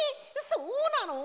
そうなの！？